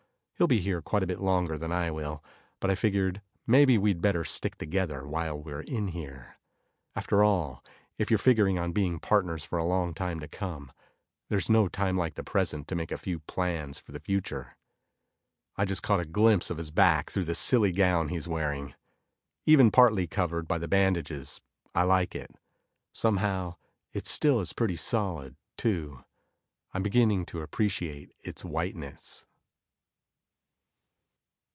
He'll be here quite a bit longer than I will, but I figured maybe we'd better stick together while we're in here. After all, if you're figuring on being partners for a long time to come, there's no time like the present to make a few plans for the future. I just caught a glimpse of his back through the silly gown he's wearing. Even partly covered by the bandages, I like it. Somehow, it still is pretty solid too, I'm beginning to appreciate its whiteness.